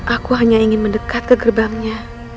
aku hanya ingin mendekat ke gerbangnya